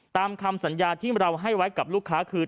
ตามคำสัญญาที่เราให้ไว้กับลูกค้าคือ